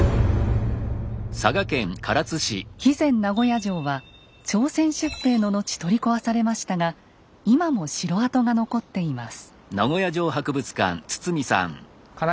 肥前名護屋城は朝鮮出兵の後取り壊されましたが今も城跡が残っています。